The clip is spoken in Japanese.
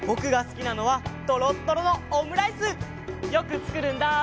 よくつくるんだ！